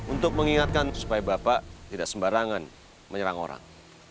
untuk mengingatkan supaya bapak tidak sembarangan menyerang orang